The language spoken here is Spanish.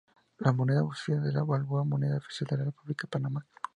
La moneda oficial es el Balboa, moneda oficial en la República de Panamá.